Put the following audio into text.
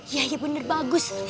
ya ya bener bagus